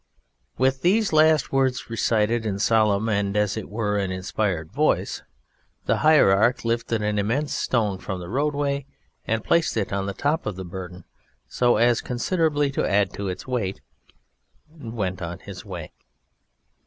With these last words recited in a solemn, and, as it were, an inspired voice, the Hierarch lifted an immense stone from the roadway, and placing it on the top of the Burden, so as considerably to add to its weight, went on his way.